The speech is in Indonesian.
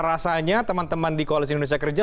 rasanya teman teman di koalisi indonesia kerja